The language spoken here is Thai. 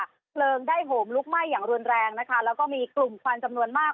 เพลิงได้โหมลุกไหม้อย่างรุนแรงนะคะแล้วก็มีกลุ่มควันจำนวนมาก